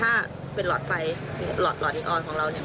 แต่ถ้าเป็นหลอดไฟหลอดนีออนของเรา